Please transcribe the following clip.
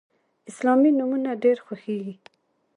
اسلامي نومونه ډیر خوښیږي.